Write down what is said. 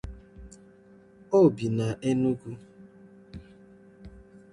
O bi na Enugu.